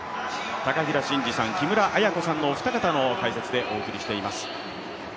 高平慎士さん、木村文子さん、お二方の解説でお送りしています。